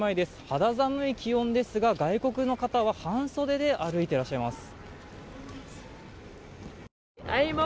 肌寒い気温ですが、外国の方は半袖で歩いていらっしゃいます。